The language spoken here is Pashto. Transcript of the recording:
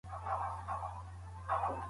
که ولور ورکړئ نو دا به ډيره ښه وي.